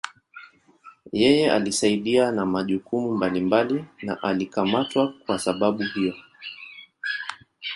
Yeye alisaidia na majukumu mbalimbali na alikamatwa kuwa sababu hiyo.